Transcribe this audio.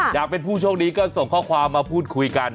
อยากเป็นผู้โชคดีก็ส่งข้อความมาพูดคุยกัน